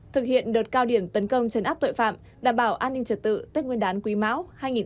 thực hiện đợt cao điểm tấn công chấn áp tội phạm đảm bảo an ninh trật tự tết nguyên đán quý máu hai nghìn hai mươi bốn